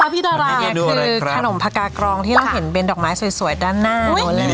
นี่พี่ดาราคือขนมผักากรองที่เราเห็นเป็นดอกไม้สวยสวยด้านหน้า